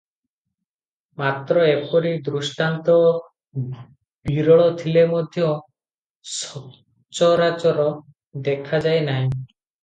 ମାତ୍ର ଏପରି ଦୃଷ୍ଟାନ୍ତ ବିରଳ ଥିଲେ ମଧ୍ୟ ସଚରାଚର ଦେଖାଯାଏ ନାହିଁ ।